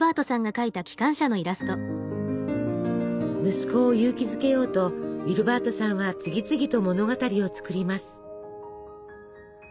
息子を勇気づけようとウィルバートさんは次々と物語を作ります。